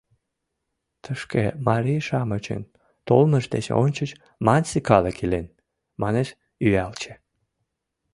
— Тышке марий-шамычын толмышт деч ончыч манси калык илен, манеш Ӱялче.